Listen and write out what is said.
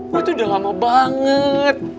gue tuh udah lama banget